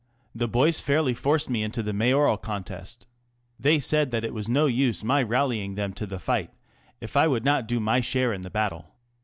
" The boys fairly forced me into the Mayoral contest. They said that it was no use my rallying them to the fight if I would not do my share in the battle.